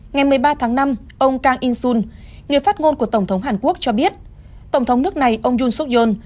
ngày một mươi ba tháng năm ông kang in sun người phát ngôn của tổng thống hàn quốc cho biết tổng thống nước này ông yoon seok yol